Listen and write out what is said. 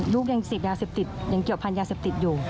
ลูกยังเสพยาเสพติดยังเกี่ยวพันธ์ยาเสพติดอยู่